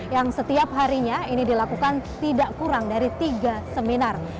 yang setiap harinya ini dilakukan tidak kurang dari tiga seminar